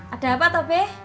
ada apa toh be